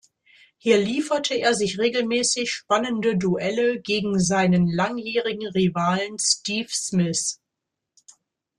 Hier lieferte er sich regelmäßig spannende Duelle gegen seinen langjährigen Rivalen Steve Smith.